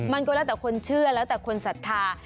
มันก็แล้วแต่คนเชื่อแล้วแต่คนศรัทธา